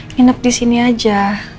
nginep disini aja